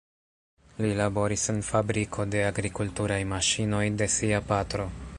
Li laboris en fabriko de agrikulturaj maŝinoj de sia patro.